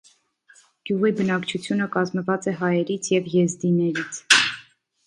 Գյուղի բնակչությունը կազմված է հայերից և եզդիներից։